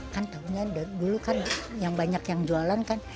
kan taunya dulu kan yang banyak yang jualan kan